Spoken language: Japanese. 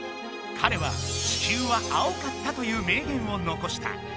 かれは「地球は青かった」という名言をのこした。